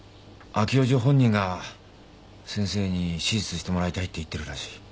あきおじ本人が先生に手術してもらいたいって言ってるらしい。